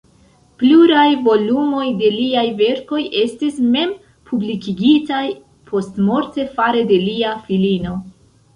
Pluraj volumoj de liaj verkoj estis mem-publikigitaj postmorte fare de lia filino.